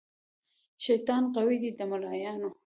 شیطان قوي دی د ملایانو